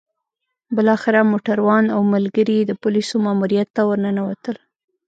بالاخره موټروان او ملګري يې د پوليسو ماموريت ته ورننوتل.